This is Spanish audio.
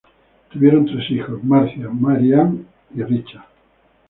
Tuvieron tres hijos: Marcia, Mary Ann y Richard.